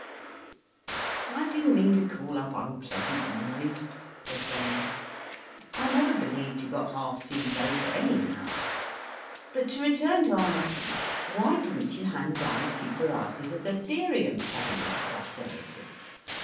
"I didn't mean to call up unpleasant memories," said Barnum. "I never believed you got half seas over, anyhow; but, to return to our muttons, why didn't you hand down a few varieties of the Therium family to posterity?